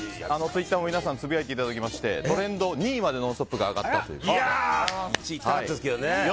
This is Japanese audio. ツイッターも皆さんつぶやいていただきましてトレンド２位まで「＃ノンストップ」が上がっているという。